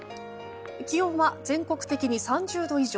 気温は、全国的に３０度以上。